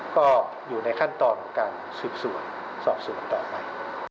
ก็อยู่ในขั้นตอนของการสืบสวนสอบสวนต่อไป